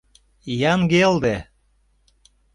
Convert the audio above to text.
Яҥгелде.